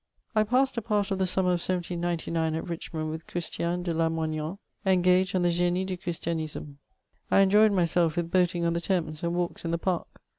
I passed a part of the smnmerof 1799 at Eichmond with Christian de Lamoignon, engaged on the Genie du Christianisme, I enjoyed myself with boating on the Thames, and walks in the park.